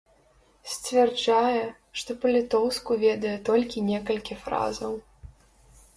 Сцвярджае, што па-літоўску ведае толькі некалькі фразаў.